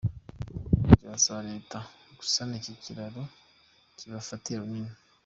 Abaturage barasaba Leta gusana iki kiraro kibafatiye runini.